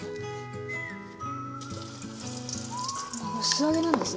素揚げなんですね。